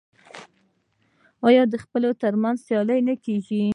آیا د خیلونو ترمنځ سیالي نه کیږي؟